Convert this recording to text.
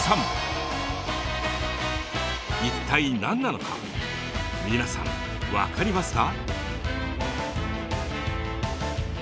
一体何なのか皆さん分かりますか？